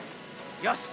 よし！